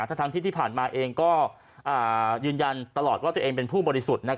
ทั้งที่ที่ผ่านมาเองก็ยืนยันตลอดว่าตัวเองเป็นผู้บริสุทธิ์